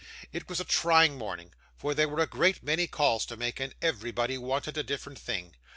It was a trying morning; for there were a great many calls to make, and everybody wanted a different thing.